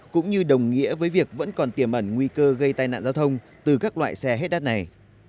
cũng như đồng nghĩa với việc vẫn còn tiềm ẩn nguy cơ gây tai nạn giao thông từ các loại xe hết đát này